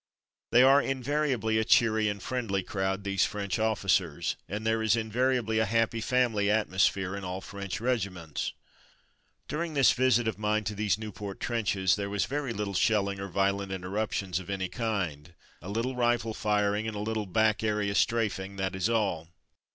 They are invariably a cheery and friendly crowd, these French officers, and there is invariably a "happy family'' atmosphere in all French regiments. During this visit of mine to these Nieuport trenches there was very little shelling or violent interruptions of any kind — a little rifle firing and a little ''back area'' strafing, that was all.